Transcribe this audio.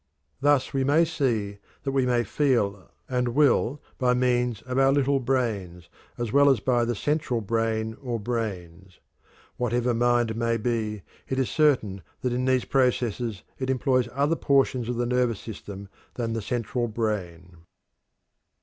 Thus we may see that we may feel and will by means of our "little brains" as well as by the central brain or brains. Whatever mind may be, it is certain that in these processes it employs other portions of the nervous system than the central brain.